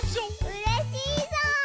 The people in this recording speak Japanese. うれしいぞう！